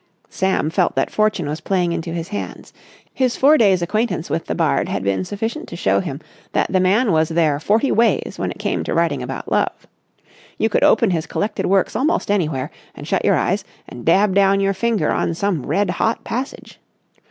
Sam felt that fortune was playing into his hands. His four days' acquaintance with the bard had been sufficient to show him that the man was there forty ways when it came to writing about love. You could open his collected works almost anywhere and shut your eyes and dab down your finger on some red hot passage.